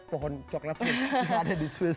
satu pohon coklatnya tidak ada di swiss